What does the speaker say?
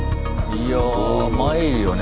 いやまいるよね